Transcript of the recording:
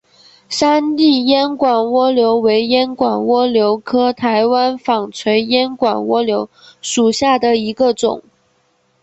山地烟管蜗牛为烟管蜗牛科台湾纺锤烟管蜗牛属下的一个种。